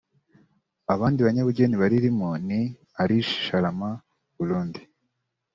Abandi banyabugeni baririmo ni Arish Sharama (Burundi)